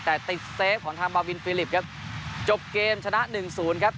แต่ติดสเตฟของทางมาวินฟิลิปครับจบเกมชนะหนึ่งศูนย์ครับ